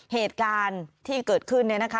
เหตุการณ์ที่เกิดขึ้นเนี่ยนะคะ